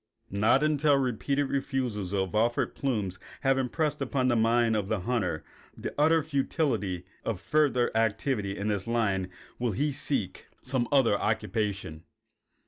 Not until repeated refusals of offered plumes have impressed upon the mind of the hunter the utter futility of further activity in this line will he seek some other occupation.